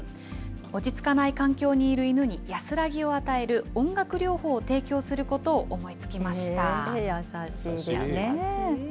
落ち着かない環境にいる犬に安らぎを与える音楽療法を提供するこ優しいですね。